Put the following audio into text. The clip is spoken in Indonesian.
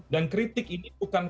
dan kritik ini bukan karena